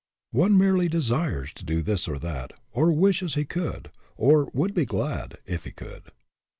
One merely " desires " to do this or that, or " wishes " he could, or " 'would be glad " if he could.